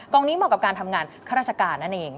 องนี้เหมาะกับการทำงานข้าราชการนั่นเอง